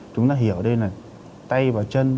chúng ta hiểu ở đây là tay và chân